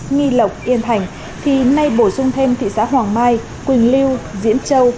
nghì lộc yên thành khi nay bổ sung thêm thị xã hoàng mai quỳnh lưu diễn châu